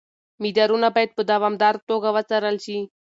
مدارونه باید په دوامداره توګه وڅارل شي.